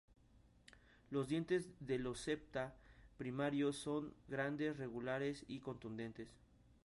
Los dientes de los septa primarios son grandes, regulares y contundentes.